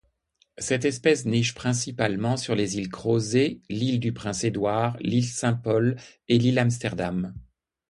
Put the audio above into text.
Cette espèce niche principalement sur les îles Crozet, l'île-du-Prince-Édouard, l'île Saint-Paul et l'île Amsterdam.